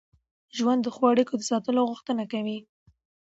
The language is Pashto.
ژوند د ښو اړیکو د ساتلو غوښتنه کوي.